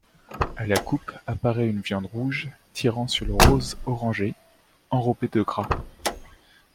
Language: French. À la coupe apparaît une viande rouge tirant sur le rose-orangé, enrobée de gras.